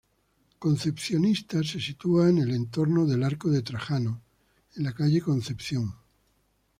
Concepcionistas se sitúa en el entorno del Arco de Trajano, en la calle Concepción.